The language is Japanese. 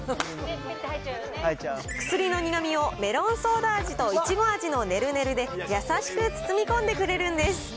薬の苦みをメロンソーダ味といちご味のネルネルで、優しく包み込んでくれるんです。